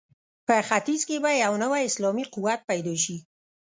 په ختیځ کې به یو نوی اسلامي قوت پیدا شي.